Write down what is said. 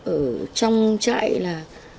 ở trong trại là